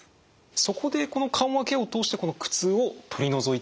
そこでこの緩和ケアを通してこの苦痛を取り除いていくわけですね。